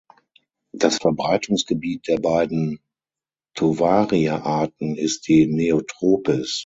Das Verbreitungsgebiet der beiden "Tovaria"-Arten ist die Neotropis.